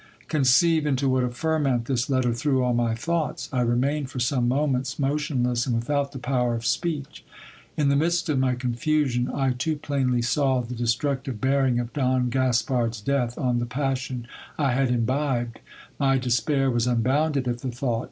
Conceive into what a ferment this letter threw all my thoughts. I re mained for some moments motionless and without the power of speech. In the midst of my confusion, I too plainly saw the destructive bearing of Don Gaspard's death on the passion I had imbibed. My despair was unbounded at the thought.